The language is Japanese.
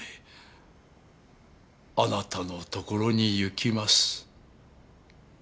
「あなたのところに行きます」